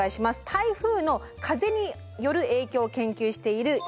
台風の風による影響を研究している西嶋さんです。